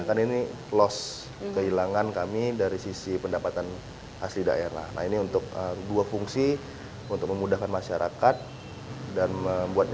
kan ini loss kehilangan kami dari sisi pendapatan asli daerah nah ini untuk dua fungsi untuk memudahkan masyarakat